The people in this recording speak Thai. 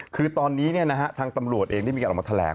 คือตอนนี้ทางตำรวจเองได้มีการออกมาแถลง